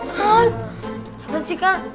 apaan sih kak